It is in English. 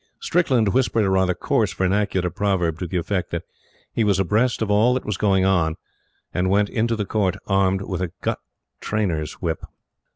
Strickland whispered a rather coarse vernacular proverb to the effect that he was abreast of all that was going on, and went into the Court armed with a gut trainer's whip.